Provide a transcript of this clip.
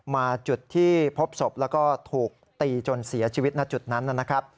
มาจุดที่พบศพแล้วก็ถูกตีจนเสียชีวิตณจุดนั้นนะครับ